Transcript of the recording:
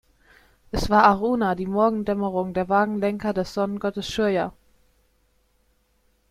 Es war Aruna, die Morgendämmerung, der Wagenlenker des Sonnengottes Surya.